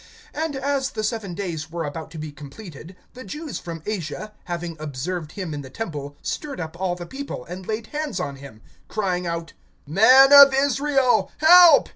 (27)And as the seven days were about to be completed, the Jews from Asia, having observed him in the temple, stirred up all the people, and laid hands on him, (28)crying out: Men of Israel, help.